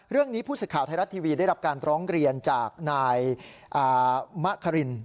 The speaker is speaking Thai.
เรื่องนี้พูดสิทธิ์ข่าวไทยรัตน์ทีวีได้รับการตร้องเรียนจากนายมะคริน